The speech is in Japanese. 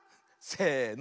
せの。